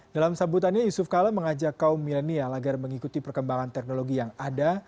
dalam sambutannya yusuf kala mengajak kaum milenial agar mengikuti perkembangan teknologi yang ada